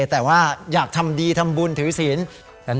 แต่ว่าอยากทำดีทำบุญถือศีล